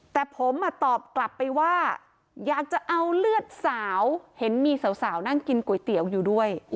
แต่ผมตอบกลับไปว่าอยากจะเอาเลือดสาวเห็นมีสาวนั่งกินก๋วยเตี๋ยวอยู่ด้วย